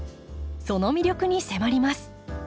その魅力に迫ります。